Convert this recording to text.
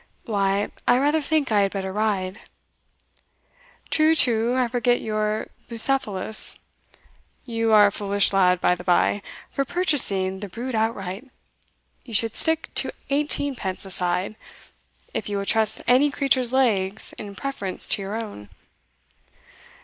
"Why, I rather think I had better ride." "True, true, I forgot your Bucephalus. You are a foolish lad, by the by, for purchasing the brute outright; you should stick to eighteenpence a side, if you will trust any creature's legs in preference to your own."